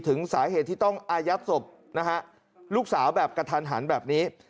ถึงสาเหตุที่ต้องอายัดศพนะฮะลูกสาวแบบกระทันหันแบบนี้